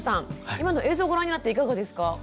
今の映像をご覧になっていかがですか？